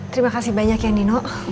terima kasih banyak ya nino